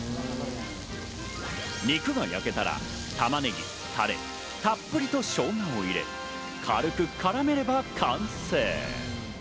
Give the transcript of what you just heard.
肉が焼けたら玉ねぎ、タレ、たっぷりと生姜を入れ、軽く絡めれば完成。